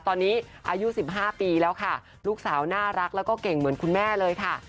ตอนนี้อายุ๑๕ปีแล้วค่ะลูกสาวน่ารักแล้วก็เก่งเหมือนคุณแม่เลยค่ะ